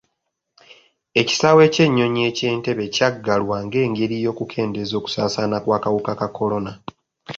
Ekisaawe ky'ennyonyi eky' Entebbe kyaggalwa ngengeri y'okukendeeza ku kusaasaana kw'akawuka ka kolona.